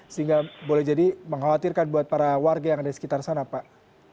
sehingga boleh jadi mengkhawatirkan buat para warga yang ada di sekitar sana pak